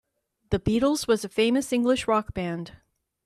The Beatles was a famous English rock band.